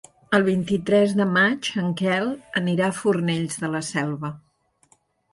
El vint-i-tres de maig en Quel anirà a Fornells de la Selva.